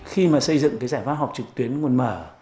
khi mà xây dựng cái giải pháp họp trực tuyến nguồn mở